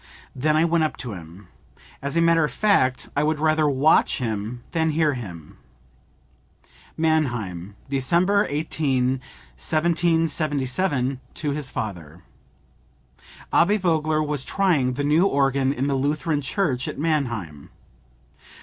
Then I went up to him. As a matter of fact I would rather watch him than hear him." (Mannheim, December 18, 1777, to his father. Abbe Vogler was trying the new organ in the Lutheran church at Mannheim.